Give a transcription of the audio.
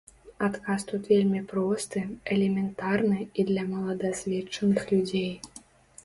Адказ тут вельмі просты, элементарны і для маладасведчаных людзей.